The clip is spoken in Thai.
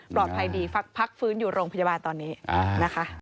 ภัยดีพักฟื้นอยู่โรงพยาบาลตอนนี้นะคะ